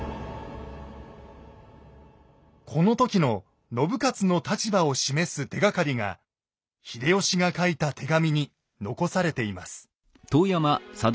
この時の信雄の立場を示す手がかりが秀吉が書いた手紙に残されています。